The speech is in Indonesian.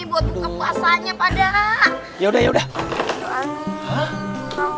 berarti waktunya bukan puasa dong